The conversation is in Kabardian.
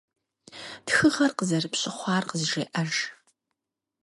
Тхыгъэр къазэрыпщыхъуар къызжеӏэж.